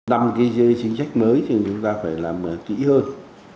đăng cái chính sách mới thì chúng ta phải làm kỹ hơn